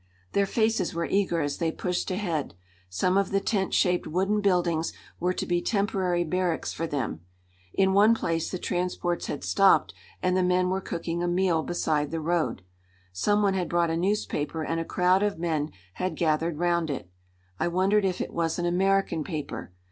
Their faces were eager as they pushed ahead. Some of the tent shaped wooden buildings were to be temporary barracks for them. In one place the transports had stopped and the men were cooking a meal beside the road. Some one had brought a newspaper and a crowd of men had gathered round it. I wondered if it was an American paper.